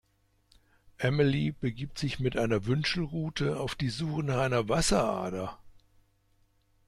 Amelie begibt sich mit einer Wünschelrute auf die Suche nach einer Wasserader.